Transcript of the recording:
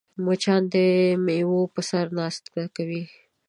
مچان د میوو په سر ناسته کوي